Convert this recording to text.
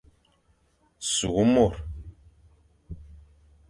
Sukh môr.